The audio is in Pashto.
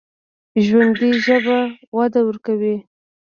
ژوندي ژبه وده ورکوي